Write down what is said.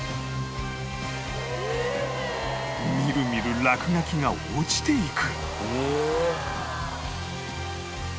みるみる落書きが落ちていく